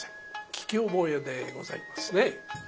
聞き覚えでございますね。